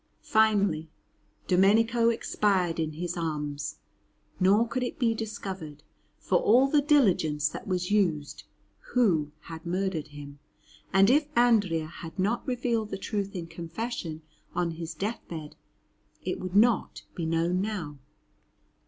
Finally Domenico expired in his arms; nor could it be discovered, for all the diligence that was used, who had murdered him; and if Andrea had not revealed the truth in confession on his death bed, it would not be known now.